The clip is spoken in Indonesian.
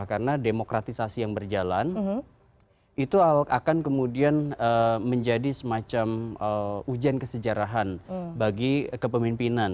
karena demokratisasi yang berjalan itu akan kemudian menjadi semacam ujian kesejarahan bagi kepemimpinan